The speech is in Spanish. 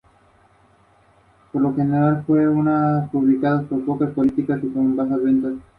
Se trata de una imagen de candelero para vestir.